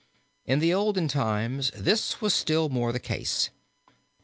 In the olden times this was still more the case.